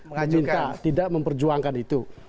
meminta tidak memperjuangkan itu